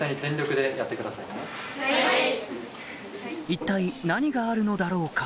一体何があるのだろうか？